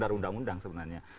sekitar undang undang sebenarnya